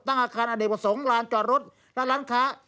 ตั้งอาคารอเดประสงค์ร้านจ่อรถและร้านค้า